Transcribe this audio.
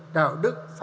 đạo đức pháp quyền xã hội